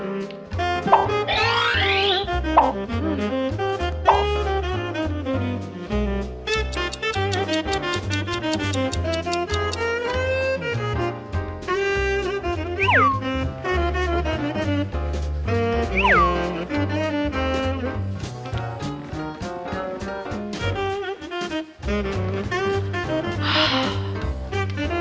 อื้ออื้ออื้ออื้ออื้ออื้ออื้ออื้ออื้ออื้ออื้ออื้ออื้ออื้อ